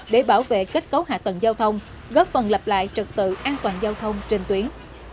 để bảo vệ kết cấu hạ tầng giao thông góp phần lập lại trật tự an toàn giao thông trên tuyến